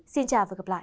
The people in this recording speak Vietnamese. xin chào và gặp lại